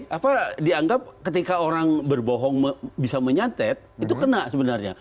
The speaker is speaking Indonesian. apa dianggap ketika orang berbohong bisa menyantet itu kena sebenarnya